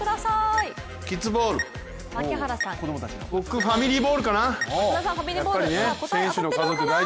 僕、ファミリーボウルかな。